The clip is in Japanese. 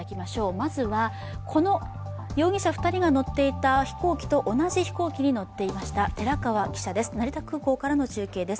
まずはこの容疑者２人が乗っていた飛行機と同じ飛行機に乗っていました寺川記者です。